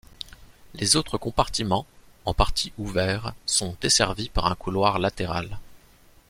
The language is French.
Les autres compartiments, en partie ouverts, sont desservis par un couloir latéral.